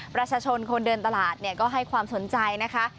ประชาชนคนเดินตลาดก็ให้ความสนใจนะคะ